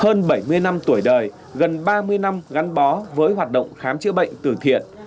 hơn bảy mươi năm tuổi đời gần ba mươi năm gắn bó với hoạt động khám chữa bệnh từ thiện